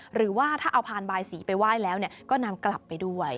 หรือว่าถ้าเอาพานบายสีไปไหว้แล้วก็นำกลับไปด้วย